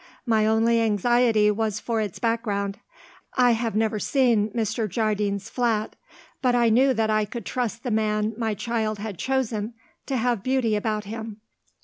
My only anxiety was for its background. I have never seen Mr. Jardine's flat. But I knew that I could trust the man my child had chosen to have beauty about him."